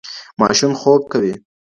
ماشوم خوب کوي